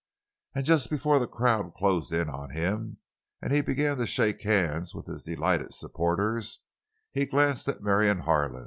And just before the crowd closed in on him and he began to shake hands with his delighted supporters, he glanced at Marion Harlan.